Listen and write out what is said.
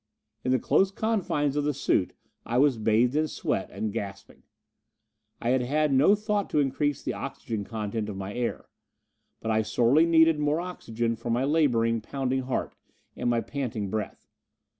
In the close confines of the suit I was bathed in sweat, and gasping. I had had no thought to increase the oxygen content of my air. But I sorely needed more oxygen for my laboring, pounding heart and my panting breath.